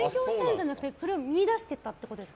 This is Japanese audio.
それを見いだしたってことですか？